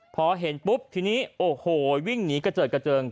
พอเห็นปุ๊บทีนี้โอ้โหวิ่งหนีกระเจิดกระเจิง